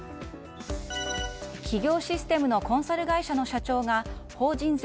企業システムのコンサル会社の社長が法人税